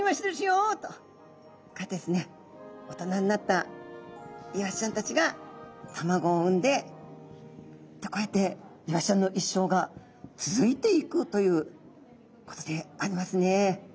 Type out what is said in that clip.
こうやってですね大人になったイワシちゃんたちが卵を産んでこうやってイワシちゃんの一生が続いていくということでありますね。